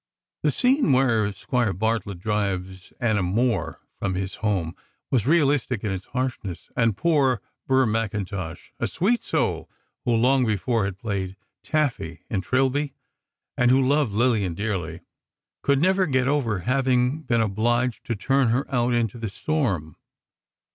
The scene where Squire Bartlett drives Anna Moore from his home, was realistic in its harshness, and poor Burr McIntosh, a sweet soul who long before had played Taffy in "Trilby," and who loved Lillian dearly, could never get over having been obliged to turn her out into the storm.